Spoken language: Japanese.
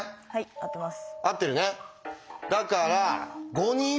合ってます。